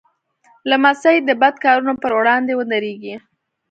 لمسی د بد کارونو پر وړاندې ودریږي.